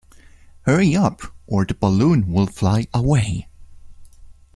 Hurry up, or the balloon will fly away.